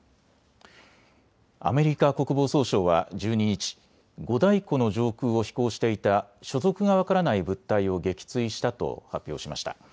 アメリカ国防総省は１２日、五大湖の上空を飛行していた所属が分からない物体を撃墜したと発表しました。